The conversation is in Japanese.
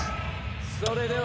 それでは。